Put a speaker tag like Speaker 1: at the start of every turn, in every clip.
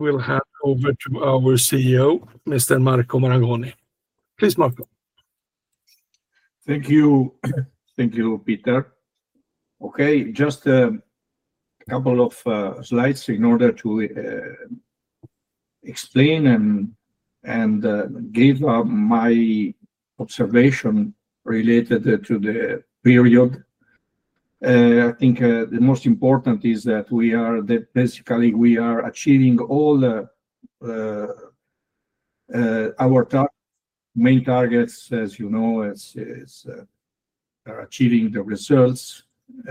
Speaker 1: We'll hand over to our CEO, Mr. Marco Marangoni. Please, Marco.
Speaker 2: Thank you. Thank you, Peter. Okay, just. A couple of slides in order to. Explain and. Give my. Observation related to the period. I think the most important is that we are basically achieving all. Our main targets, as you know, are. Achieving the results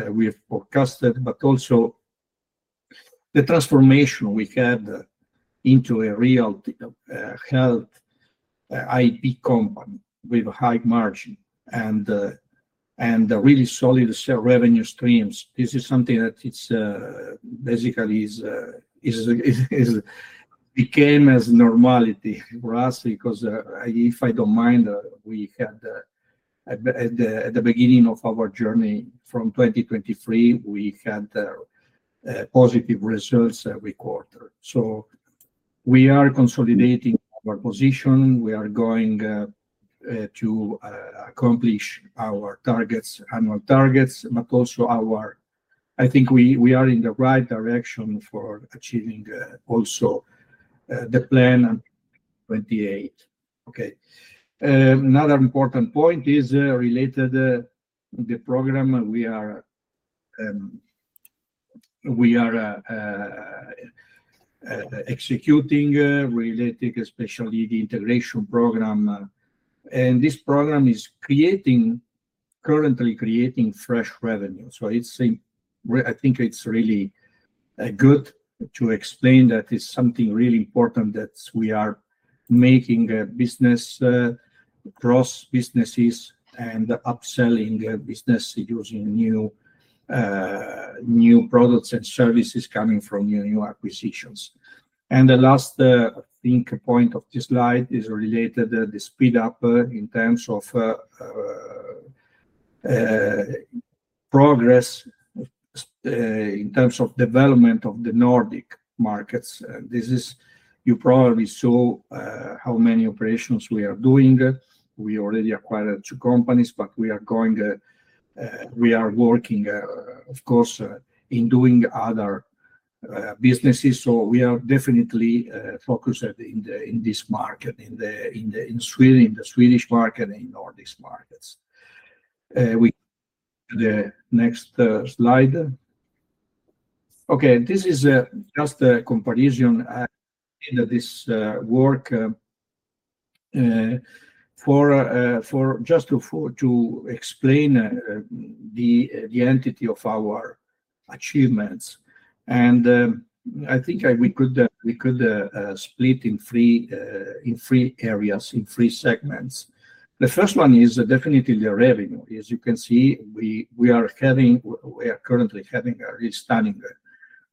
Speaker 2: we have forecasted, but also. The transformation we had Into a real Health IP company with a high margin and Really solid revenue streams. This is something that Basically Became normality for us because, if I don't mind, we Had at the beginning of our journey from 2023, we had Positive results every quarter. So We are consolidating our position. We are going To accomplish our annual targets, but also our—I think we are in the right direction for achieving also. The plan. 2028. Okay. Another important point is related. To the program we are. Executing, related to the Special Needs Integration Program. This program is currently creating fresh revenue. I think it's really good to explain that it's something really important that we are making business across businesses and upselling business using new products and services coming from new acquisitions. The last, I think, point of this slide is related to the speed up in terms of progress in terms of development of the Nordic markets. You probably saw how many operations we are doing. We already acquired two companies, but we are working, of course, in doing other businesses. We are definitely focused in this market, in the Swedish market and in Nordic markets. The next slide. Okay, this is just a comparison in this work, just to explain the entity of our achievements. I think we could split in three areas, in three segments. The 1st one is definitely the revenue. As you can see, we are currently having really stunning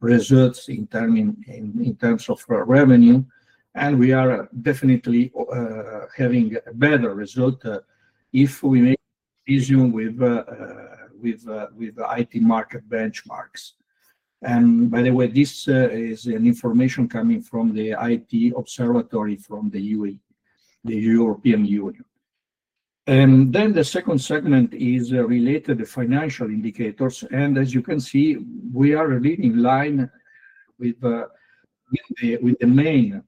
Speaker 2: results in terms of revenue, and we are definitely. Having better results if we make a decision with. IT market benchmarks. And by the way, this is information coming from the IT Observatory from the. European Union. And then the 2nd segment is related to financial indicators. And as you can see, we are leading line. With. The main.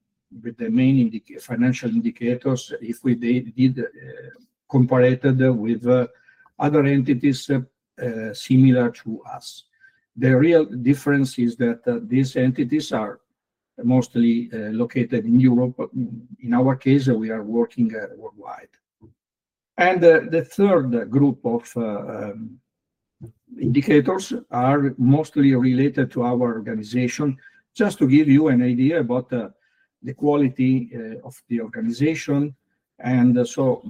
Speaker 2: Financial indicators if we did. Compared with. Other entities. Similar to us. The real difference is that these entities are mostly located in Europe. In our case, we are working worldwide. And the 3rd group of. Indicators are mostly related to our organization. Just to give you an idea about the quality of the organization. And so.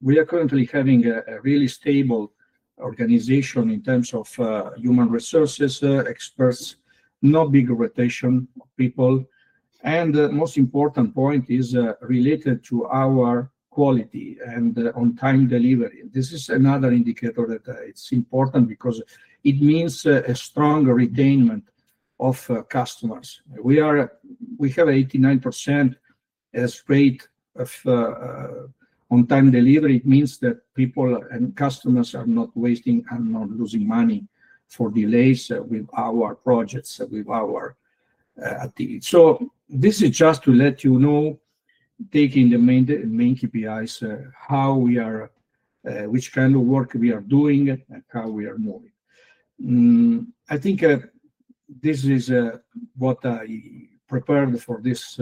Speaker 2: We are currently having a really stable organization in terms of human resources experts, no big rotation of people. The most important point is related to our quality and on-time delivery. This is another indicator that it's important because it means a strong retainment of customers. We have 89% straight of on-time delivery. It means that people and customers are not wasting and not losing money for delays with our projects, with our activities. So this is just to let you know, taking the main KPIs, how we are, which kind of work we are doing, and how we are moving. I think this is what I prepared for this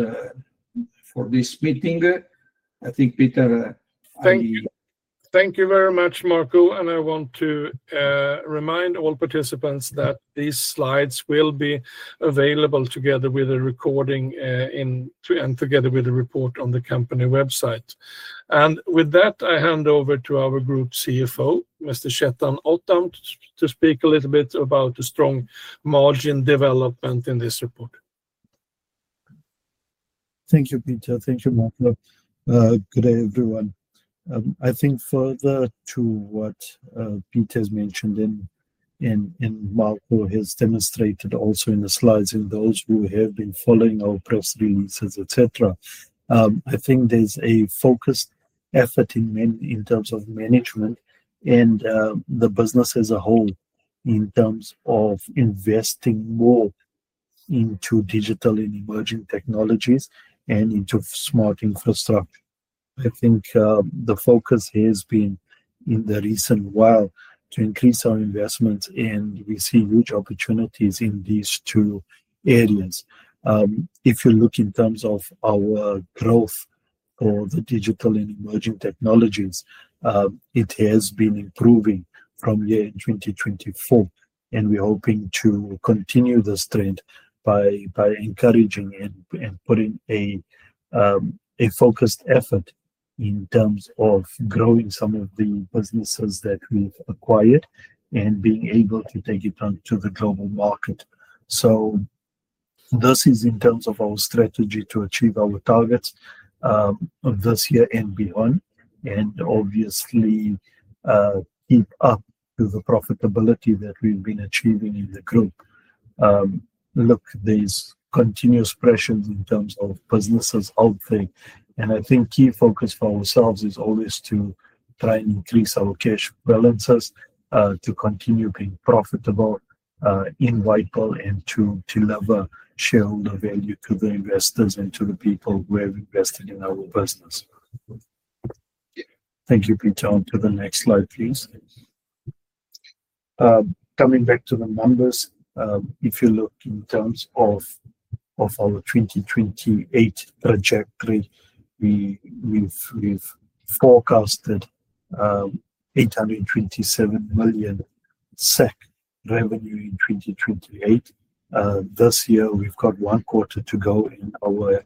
Speaker 2: meeting. I think, Peter, I.
Speaker 1: Thank you very much, Marco. And I want to. Remind all participants that these slides will be available together with a recording. And together with a report on the company website. And with that, I hand over to our group CFO, Mr. Chettan Ottam, to speak a little bit about the strong margin development in this report.
Speaker 3: Thank you, Peter. Thank you, Marco. Good day, everyone. I think further to what Peter has mentioned and. Marco has demonstrated also in the slides, and those who have been following our press releases, etc., I think there's a focused effort in terms of management and the business as a whole in terms of investing more. Into digital and emerging technologies and into smart infrastructure. I think the focus has been in the recent while to increase our investments, and we see huge opportunities in these two areas. If you look in terms of our growth for the digital and emerging technologies, it has been improving from year 2024, and we're hoping to continue this trend by encouraging and putting a. Focused effort in terms of growing some of the businesses that we've acquired and being able to take it on to the global market. So. This is in terms of our strategy to achieve our targets. This year and beyond, and obviously. Keep up to the profitability that we've been achieving in the group. Look, there's continuous pressure in terms of businesses out there. And I think key focus for ourselves is always to try and increase our cash balances, to continue being profitable. In White Pearl, and to deliver shareholder value to the investors and to the people who have invested in our business. Thank you, Peter. On to the next slide, please. Coming back to the numbers, if you look in terms of. Our 2028 trajectory. We've forecasted. 827 million. SEC revenue in 2028. This year, we've got one quarter to go, and our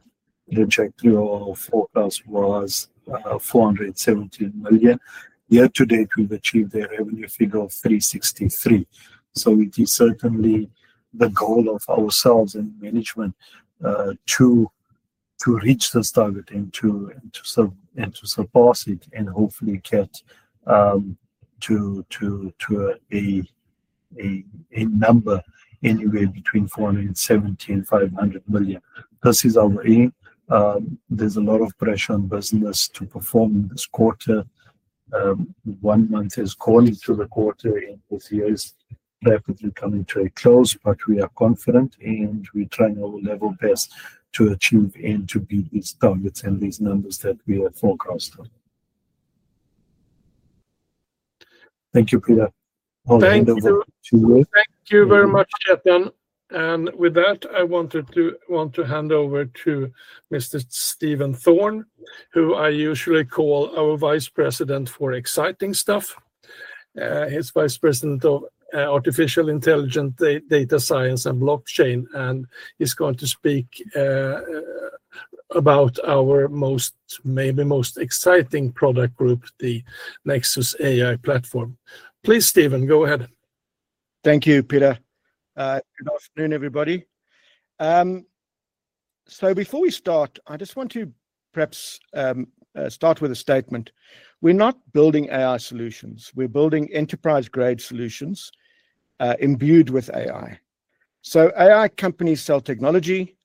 Speaker 3: trajectory or forecast was. 417 million. Year to date, we've achieved a revenue figure of 363. So it is certainly the goal of ourselves and management. To. Reach this target and surpass it and hopefully get to a number anywhere between 470 million and 500 million. This is our aim. There is a lot of pressure on business to perform this quarter. One month is calling to the quarter, and this year is rapidly coming to a close, but we are confident, and we are trying our level best to achieve and to beat these targets and these numbers that we have forecasted. Thank you, Peter. All the best to you.
Speaker 1: Thank you very much, Chettan. With that, I want to hand over to Mr. Stephen Thorne, who I usually call our vice president for exciting stuff. He's Vice President of Artificial Intelligence, Data Science, and Blockchain, and he's going to speak about our maybe most exciting product group, the Nexus AI Platform. Please, Stephen, go ahead.
Speaker 4: Thank you, Peter. Good afternoon, everybody. Before we start, I just want to perhaps start with a statement. We're not building AI solutions. We're building enterprise-grade solutions. Imbued with AI. AI companies sell technology.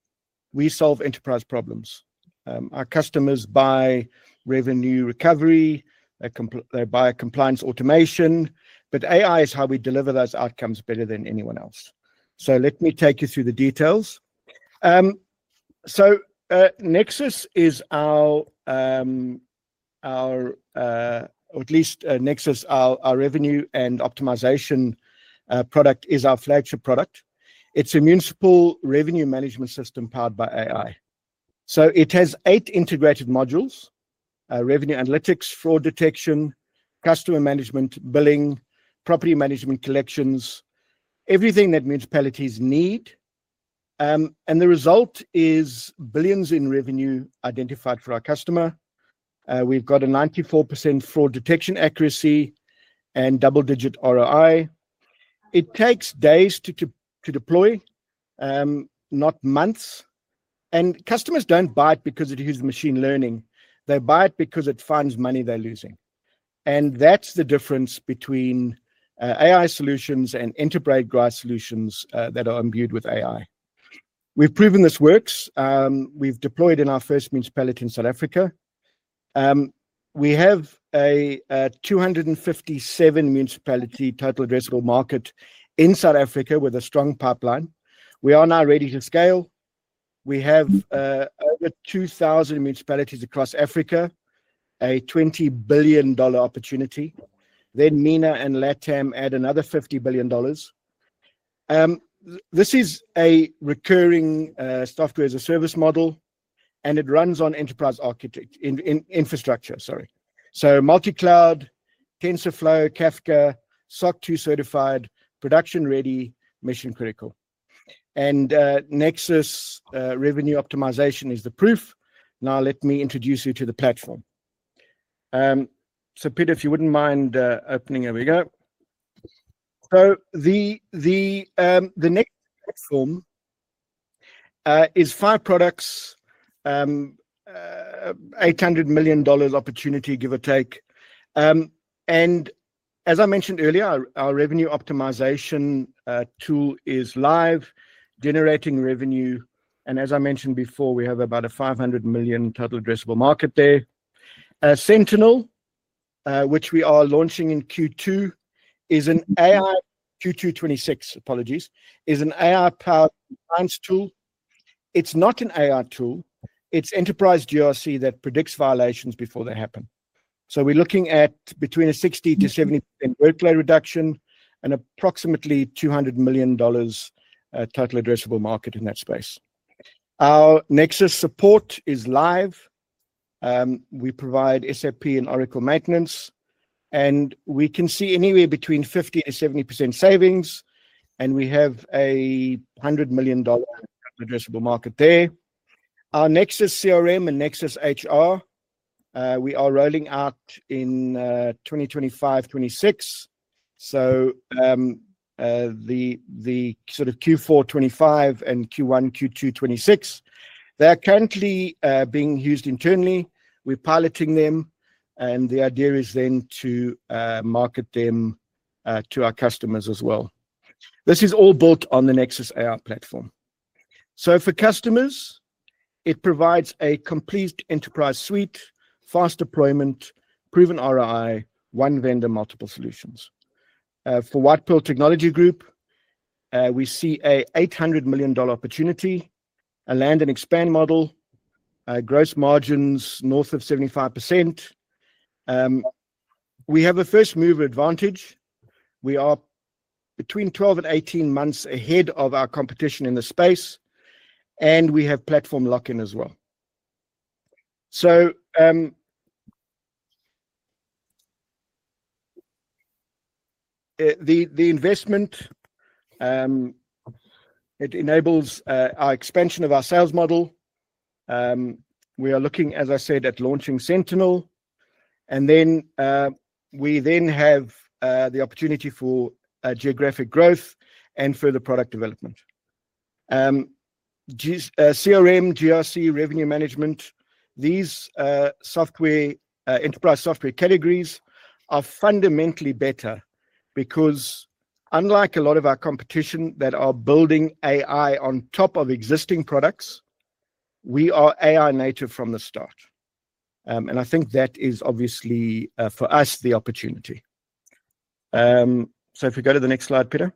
Speaker 4: We solve enterprise problems. Our customers buy revenue recovery. They buy compliance automation. AI is how we deliver those outcomes better than anyone else. Let me take you through the details. Nexus, our revenue and optimization product is our flagship product. It's a municipal revenue management system powered by AI. It has eight integrated modules: Revenue Analytics, Fraud Detection, Customer Management, Billing, Property Management Collections, everything that municipalities need. The result is billions in revenue identified for our customer. We've got a 94% fraud detection accuracy and double-digit ROI. It takes days to deploy. Not months. Customers don't buy it because it is Machine Learning. They buy it because it finds money they're losing. That's the difference between AI solutions and enterprise-grade solutions that are imbued with AI. We've proven this works. We've deployed in our 1st municipality in South Africa. We have a 257-municipality title addressable market in South Africa with a strong pipeline. We are now ready to scale. We have over 2,000 municipalities across Africa, a $20 billion opportunity. MENA and LATAM add another $50 billion. This is a recurring software as a service model, and it runs on enterprise architecture infrastructure, sorry. Multi-cloud, TensorFlow, Kafka, SOC 2 certified, production-ready, mission-critical. Nexus revenue optimization is the proof. Now let me introduce you to the platform. Peter, if you wouldn't mind opening it. Here we go. The Nexus platform is five products. $800 million opportunity, give or take. And as I mentioned earlier, our revenue optimization tool is live, generating revenue. And as I mentioned before, we have about a 500 million total addressable market there. Sentinel. Which we are launching in Q2, is an AI Q2 2026, apologies, is an AI-powered compliance tool. It's not an AI tool. It's enterprise GRC that predicts violations before they happen. So we're looking at between a 60%-70% workload reduction and approximately $200 million. Total addressable market in that space. Our Nexus support is live. We provide SAP and Oracle maintenance. And we can see anywhere between 50% and 70% savings. And we have a $100 million. Addressable market there. Our Nexus CRM and Nexus HR. We are rolling out in. 2025-2026. So. The sort of Q4 2025 and Q1, Q2 2026. They are currently being used internally. We're piloting them. The idea is then to market them to our customers as well. This is all built on the Nexus AI Platform. For customers, it provides a Complete Enterprise Suite, Fast Deployment, Proven ROI, One Vendor, Multiple Solutions. For White Pearl Technology Group, we see an $800 million opportunity, a land and expand model, gross margins north of 75%. We have a first-mover advantage. We are between 12-18 months ahead of our competition in the space. We have platform lock-in as well. The investment enables our expansion of our sales model. We are looking, as I said, at launching Sentinel. We then have the opportunity for geographic growth and further product development. CRM, GRC, Revenue Management, these. Enterprise software categories are fundamentally better because, unlike a lot of our competition that are building AI on top of existing products, we are AI native from the start. I think that is obviously for us the opportunity. So if we go to the next slide, Peter.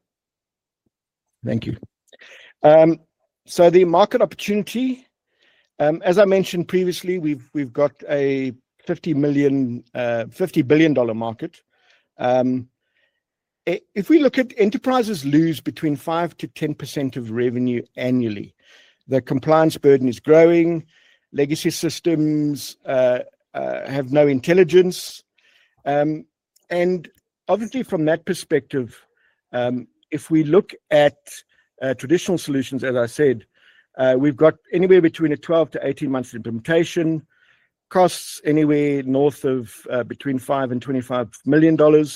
Speaker 4: Thank you. So the market opportunity. As I mentioned previously, we've got a $50 billion market. If we look at enterprises lose between 5%-10% of revenue annually, the compliance burden is growing. Legacy Systems have no intelligence. Obviously, from that perspective. If we look at traditional solutions, as I said, we've got anywhere between a 12-18 months implementation, costs anywhere north of between $5 million-$25 million.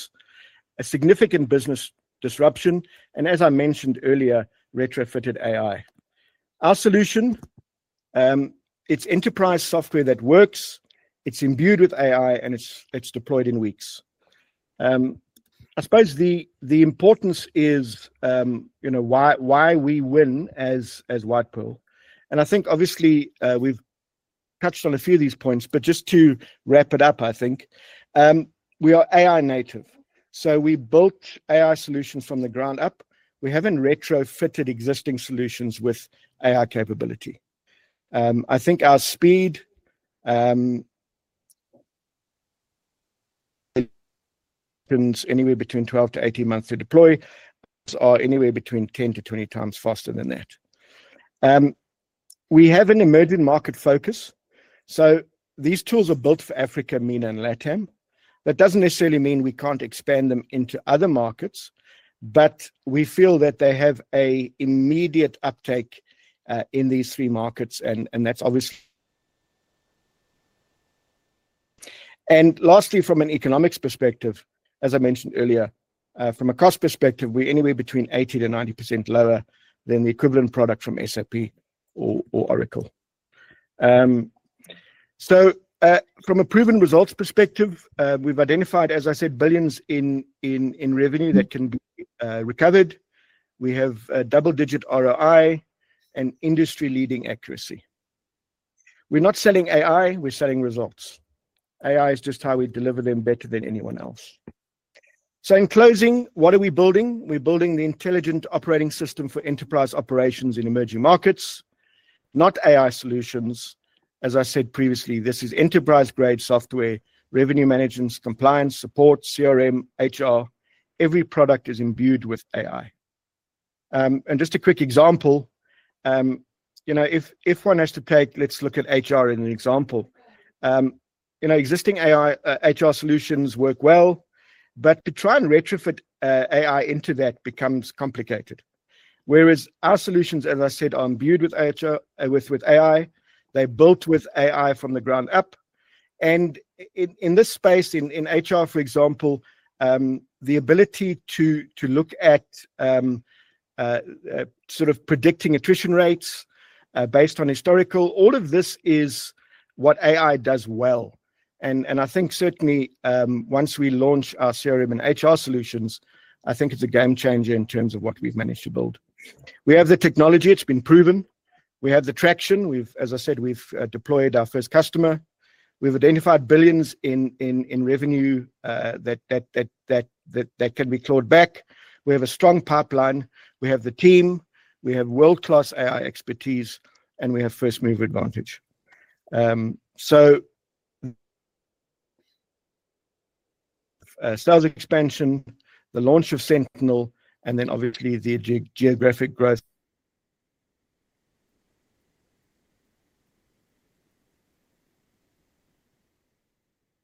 Speaker 4: A significant business disruption. As I mentioned earlier, retrofitted AI. Our solution. It's enterprise software that works. It's imbued with AI, and it's deployed in weeks. I suppose the importance is. Why we win as White Pearl. And I think, obviously, we've touched on a few of these points, but just to wrap it up, I think. We are AI native. So we built AI solutions from the ground up. We haven't retrofitted existing solutions with AI capability. I think our speed. Anywhere between 12-18 months to deploy are anywhere between 10-20 times faster than that. We have an emerging market focus. So these tools are built for Africa, MENA, and LATAM. That doesn't necessarily mean we can't expand them into other markets, but we feel that they have an immediate uptake in these three markets, and that's obviously. And lastly, from an economics perspective, as I mentioned earlier, from a cost perspective, we're anywhere between 80%-90% lower than the equivalent product from SAP or Oracle. From a proven results perspective, we've identified, as I said, billions in revenue that can be recovered. We have Double-digit ROI and industry-leading accuracy. We're not selling AI. We're selling results. AI is just how we deliver them better than anyone else. In closing, what are we building? We're building the Intelligent Operating System for enterprise operations in emerging markets, not AI solutions. As I said previously, this is Enterprise-grade Software, Revenue Management, Compliance, Support, CRM, HR. Every product is imbued with AI. And just a quick example. If one has to take, let's look at HR as an example. Existing AI HR solutions work well, but to try and Retrofit AI into that becomes complicated. Whereas our solutions, as I said, are imbued with AI. They're built with AI from the ground up. And in this space, in HR, for example, the ability to look at. Sort of predicting attrition rates based on historical, all of this is what AI does well. And I think certainly once we launch our CRM and HR solutions, I think it's a game changer in terms of what we've managed to build. We have the technology. It's been proven. We have the traction. As I said, we've deployed our 1st customer. We've identified billions in revenue that. Can be clawed back. We have a strong pipeline. We have the team. We have world-class AI expertise, and we have first-mover advantage. So. Sales expansion, the launch of Sentinel, and then obviously the geographic growth.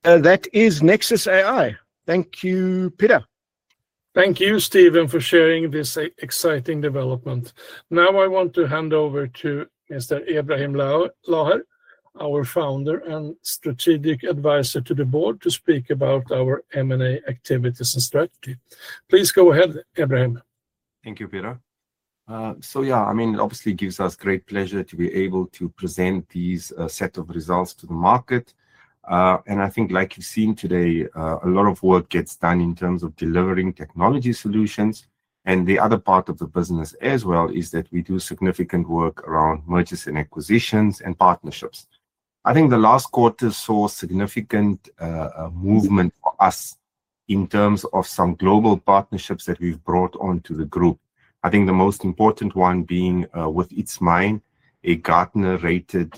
Speaker 4: That is Nexus AI. Thank you, Peter.
Speaker 1: Thank you, Stephen, for sharing this exciting development. Now I want to hand over to Mr. Ebrahim Laher, our founder and strategic advisor to the board, to speak about our M&A activities and strategy. Please go ahead, Ebrahim.
Speaker 5: Thank you, Peter. So yeah, I mean, obviously, it gives us great pleasure to be able to present this set of results to the market. And I think, like you've seen today, a lot of work gets done in terms of delivering technology solutions. And the other part of the business as well is that we do significant work around Mergers and Acquisitions and partnerships. I think the last quarter saw significant. Movement for us in terms of some global partnerships that we've brought onto the group. I think the most important one being with its mine, a Gartner-rated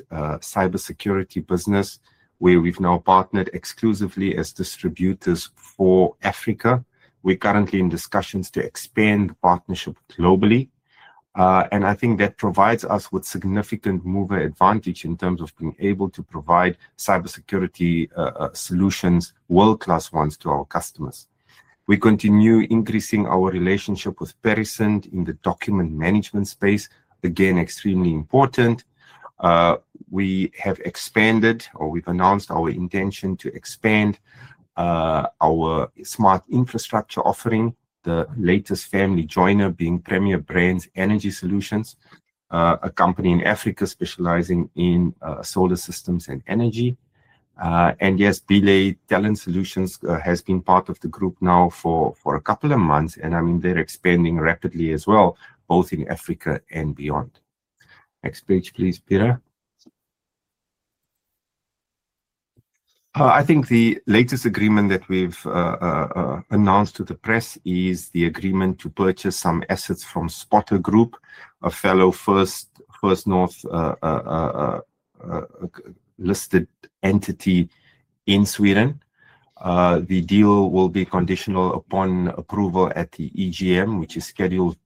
Speaker 5: Cybersecurity Business where we've now partnered exclusively as distributors for Africa. We're currently in discussions to expand partnership globally. And I think that provides us with significant mover advantage in terms of being able to provide Cybersecurity Solutions, World-class ones, to our customers. We continue increasing our relationship with Perisend in the Document Management Space. Again, extremely important. We have expanded, or we've announced our intention to expand. Our Smart Infrastructure offering, the latest family joiner being Premier Brands Energy Solutions, a company in Africa specializing in Solar Systems and Energy. And yes, Belay Talent Solutions has been part of the group now for a couple of months. And I mean, they're expanding rapidly as well, both in Africa and beyond. Next page, please, Peter. I think the latest agreement that we've. Announced to the press is the agreement to purchase some assets from Spotter Group, a fellow 1st North. Listed entity in Sweden. The deal will be conditional upon approval at the EGM, which is scheduled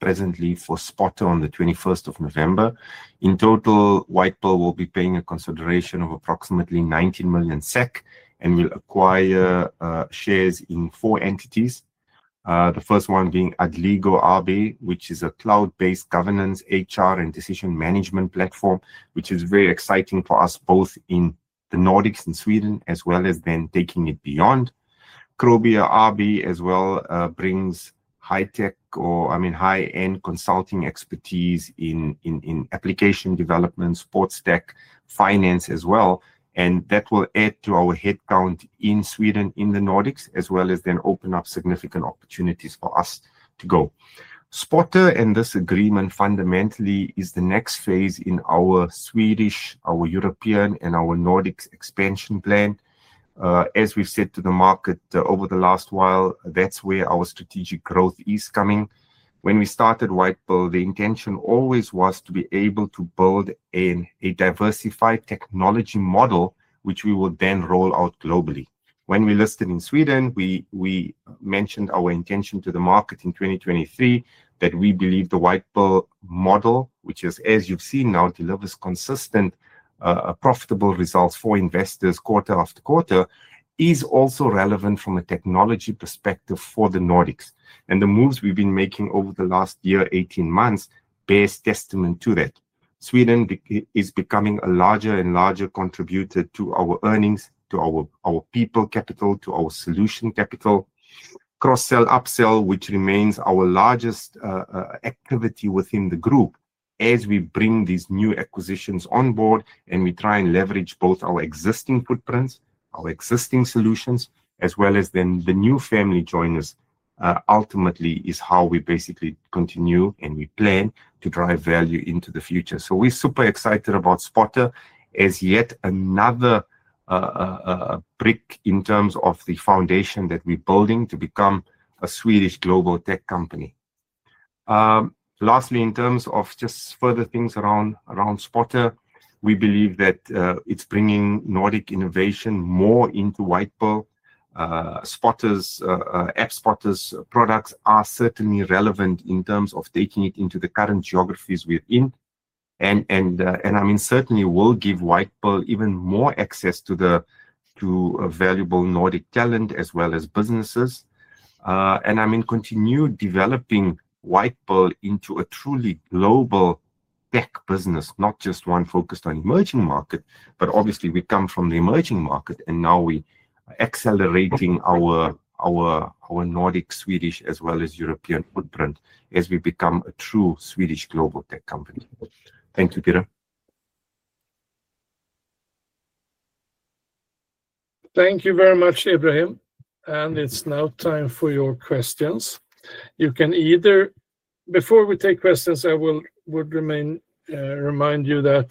Speaker 5: presently for Spotter on the 21st of November. In total, White Pearl will be paying a consideration of approximately 19 million SEC and will acquire. Shares in four entities. The 1st one being Adligo AB, which is a Cloud-based Governance, HR, and Decision Management Platform, which is very exciting for us both in the Nordics and Sweden, as well as then taking it beyond. Krobia AB as well brings high-tech or, I mean, high-end consulting expertise in application development, sports tech, finance as well. And that will add to our headcount in Sweden in the Nordics, as well as then open up significant opportunities for us to go. Spotter, in this agreement, fundamentally is the next phase in our Swedish, our European, and our Nordics expansion plan. As we've said to the market over the last while, that's where our strategic growth is coming. When we started White Pearl, the intention always was to be able to build a diversified technology model, which we will then roll out globally. When we listed in Sweden, we mentioned our intention to the market in 2023 that we believe the White Pearl model, which is, as you've seen now, delivers consistent. Profitable results for investors quarter after quarter, is also relevant from a technology perspective for the Nordics. And the moves we've been making over the last year, 18 months, bears testament to that. Sweden is becoming a larger and larger contributor to our earnings, to our people capital, to our solution capital. Cross-sell upsell, which remains our largest. Activity within the group, as we bring these new acquisitions on board and we try and leverage both our existing footprints, our existing solutions, as well as then the new family joiners. Ultimately, is how we basically continue and we plan to drive value into the future. So we're super excited about Spotter as yet another. Brick in terms of the foundation that we're building to become a Swedish Global Tech company. Lastly, in terms of just further things around Spotter, we believe that it's bringing Nordic innovation more into White Pearl. Spotter's. Products are certainly relevant in terms of taking it into the current geographies we're in. And I mean, certainly will give White Pearl even more access to. Valuable Nordic talent as well as businesses. And I mean, continue developing White Pearl into a truly global tech business, not just one focused on emerging market, but obviously, we come from the emerging market, and now we are accelerating our. Nordic Swedish as well as European footprint as we become a true Swedish global tech company. Thank you, Peter.
Speaker 1: Thank you very much, Ebrahim. And it's now time for your questions. You can either—before we take questions, I would. Remind you that.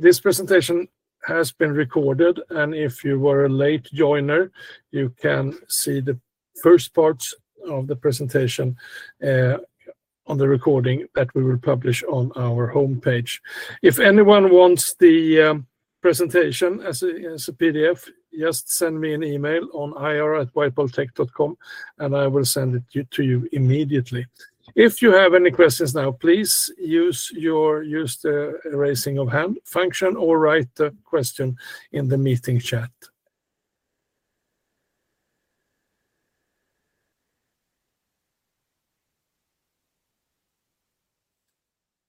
Speaker 1: This presentation has been recorded. And if you were a late joiner, you can see the 1st parts of the presentation. On the recording that we will publish on our homepage. If anyone wants the. Presentation as a PDF, just send me an email on ir@whitepearltech.com, and I will send it to you immediately. If you have any questions now, please use. The raising of hand function or write the question in the meeting chat.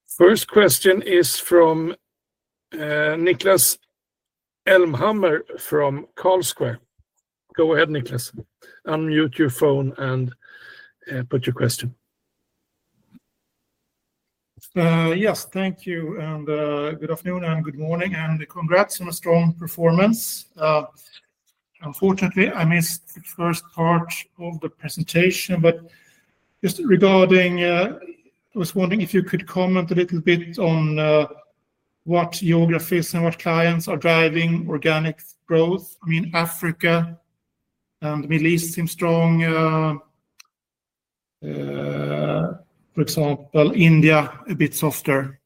Speaker 1: First question is from. Niklas. Elmhammer from Carlsquare. Go ahead, Niklas. Unmute your phone and. Put your question.
Speaker 6: Yes, thank you. And good afternoon and good morning. And congrats on a strong performance. Unfortunately, I missed the 1st part of the presentation, but just regarding. I was wondering if you could comment a little bit on. What geographies and what clients are driving organic growth. I mean, Africa. And the Middle East seems strong. For example, India, a bit softer.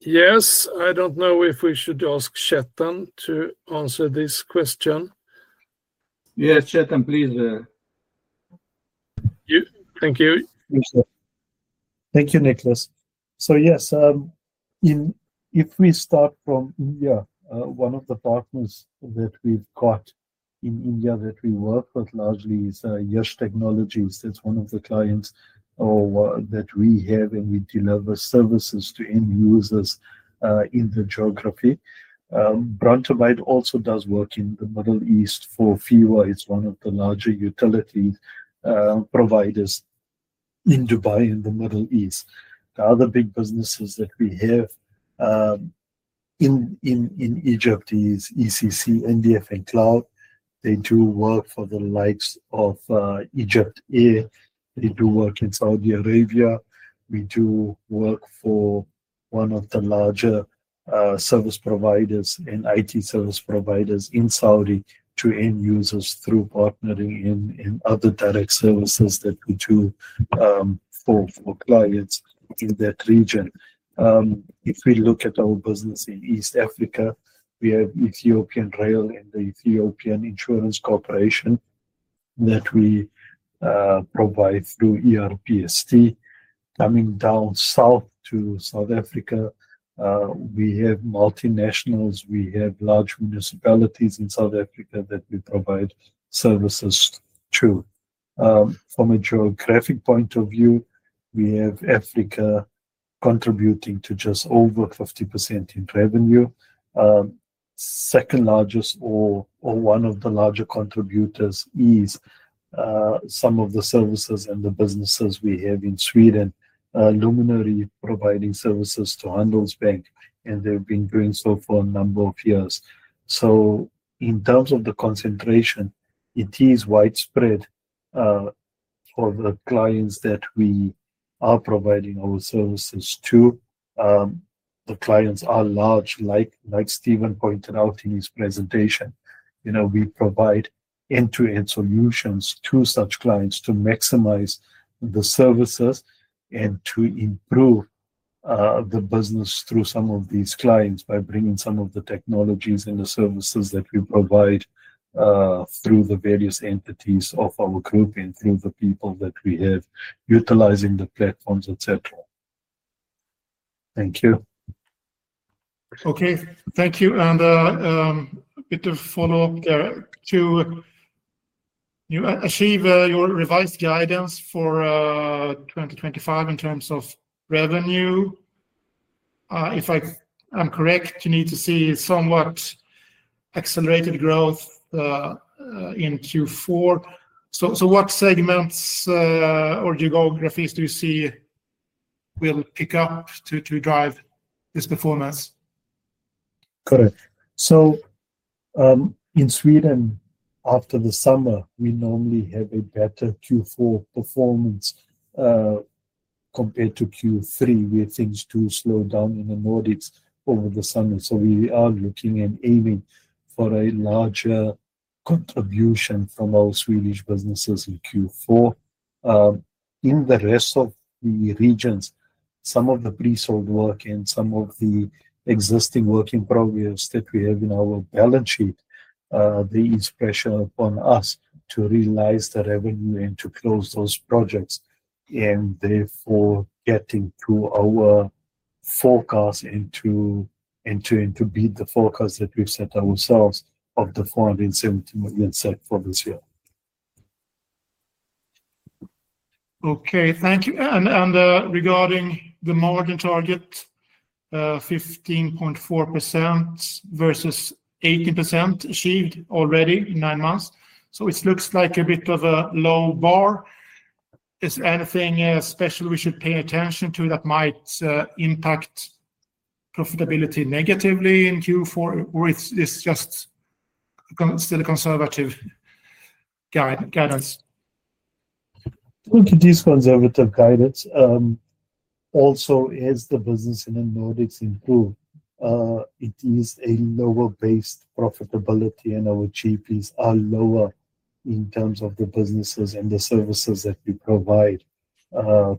Speaker 1: Yes. I don't know if we should ask Chettan to answer this question.
Speaker 6: Yes, Chettan, please. Thank you.
Speaker 3: Thank you, Niklas. So yes. If we start from India, one of the partners that we've got in India that we work with largely is YASH Technologies. That's one of the clients that we have and we deliver services to end users in the geography. Brandtovit also does work in the Middle East for FEWA. It's one of the larger utility. Providers. In Dubai in the Middle East. The other big businesses that we have. In Egypt is ECC, NDF, and Cloud. They do work for the likes of EGYPTAIR. They do work in Saudi Arabia. We do work for. One of the larger. Service providers and IT service providers in Saudi to end users through partnering in other direct services that we do. For clients in that region. If we look at our business in East Africa, we have Ethiopian Rail and the Ethiopian Insurance Corporation. That we. Provide through ERPST. Coming down south to South Africa. We have multinationals. We have large municipalities in South Africa that we provide services to. From a geographic point of view, we have Africa. Contributing to just over 50% in revenue. Second largest or one of the larger contributors is. Some of the services and the businesses we have in Sweden. Luminary providing services to Handelsbanken, and they've been doing so for a number of years. So in terms of the concentration, it is widespread. For the clients that we are providing our services to. The clients are large, like Stephen pointed out in his presentation. We provide end-to-end solutions to such clients to maximize the services and to improve. The business through some of these clients by bringing some of the technologies and the services that we provide. Through the various entities of our group and through the people that we have utilizing the platforms, et cetera. Thank you.
Speaker 6: Okay. Thank you. And. A bit of follow-up there. To. Achieve your revised guidance for. 2025 in terms of revenue, if I'm correct, you need to see somewhat. Accelerated growth. In Q4. So what segments. Or geographies do you see. Will pick up to drive this performance?
Speaker 3: Correct. So. In Sweden, after the summer, we normally have a better Q4 performance. Compared to Q3, where things do slow down in the Nordics over the summer. So we are looking and aiming for a larger. Contribution from our Swedish businesses in Q4. In the rest of the regions, some of the pre-sold work and some of the existing work in progress that we have in our balance sheet. There is pressure upon us to realize the revenue and to close those projects and therefore getting to our. Forecast and to. Beat the forecast that we've set ourselves of the 470 million SEC for this year.
Speaker 6: Okay. Thank you. And regarding the margin target, 15.4%. Versus 18% achieved already in nine months. So it looks like a bit of a low bar. Is there anything special we should pay attention to that might impact. Profitability negatively in Q4, or is it just. Still a conservative. Guidance?
Speaker 3: I think it is conservative guidance. Also, as the business in the Nordics improves. It is a lower-based profitability, and our GPs are lower in terms of the businesses and the services that we provide.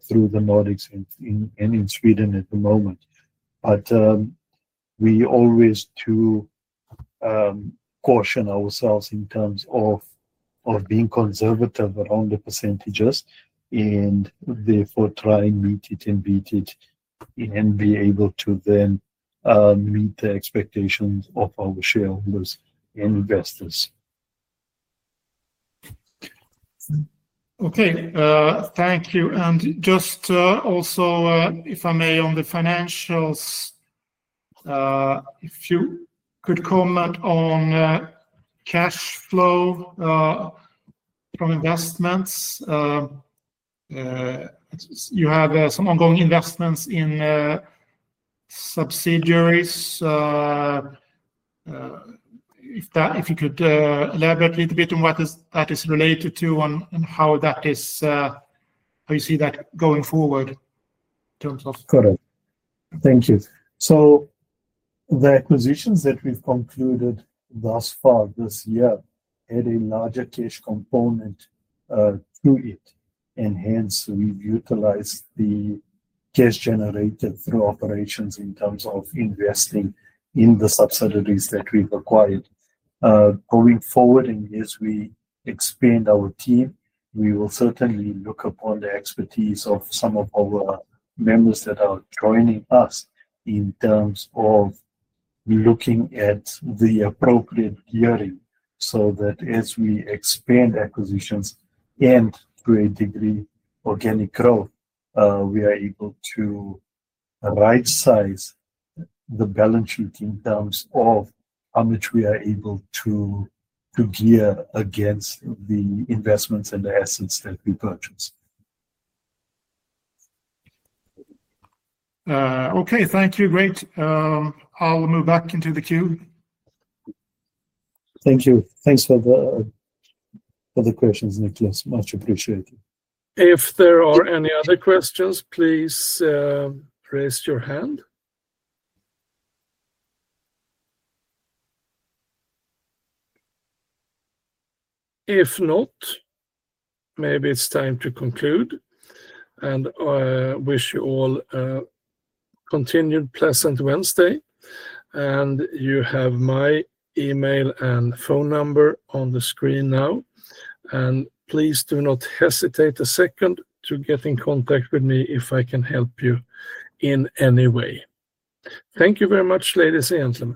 Speaker 3: Through the Nordics and in Sweden at the moment. But. We always do. Caution ourselves in terms of. Being conservative around the percentages and therefore try and meet it and beat it. And be able to then. Meet the expectations of our shareholders and investors.
Speaker 6: Okay. Thank you. And just also, if I may, on the financials. If you could comment on. Cash flow. From investments. You have some ongoing investments in. Subsidiaries. If you could elaborate a little bit on what that is related to and how that is. How you see that going forward. In terms of.
Speaker 3: Correct. Thank you. So. The acquisitions that we've concluded thus far this year had a larger cash component. To it. And hence, we've utilized the. Cash generated through operations in terms of investing in the subsidiaries that we've acquired. Going forward, and as we expand our team, we will certainly look upon the expertise of some of our members that are joining us. In terms of. Looking at the appropriate gearing so that as we expand acquisitions and to a degree organic growth, we are able to. Right-size the balance sheet in terms of how much we are able to. Gear against the investments and the assets that we purchase.
Speaker 6: Okay. Thank you. Great. I'll move back into the queue.
Speaker 3: Thank you. Thanks for. The questions, Niklas. Much appreciated.
Speaker 1: If there are any other questions, please. Raise your hand. If not. Maybe it's time to conclude. And I wish you all. A continued pleasant Wednesday. And you have my email and phone number on the screen now. And please do not hesitate a second to get in contact with me if I can help you in any way. Thank you very much, ladies and gentlemen.